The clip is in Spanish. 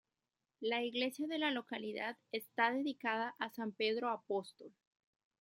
La iglesia de la localidad está dedicada a San Pedro Apóstol.